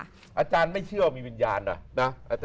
อเรนนี่อาจารย์ไม่เชื่อว่ามีวิญญาณ